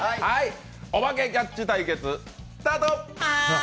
「おばけキャッチ」対決スタート！